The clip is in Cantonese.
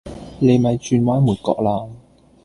你咪轉彎抹角喇